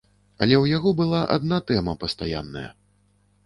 Але ў яго была адна тэма пастаянная.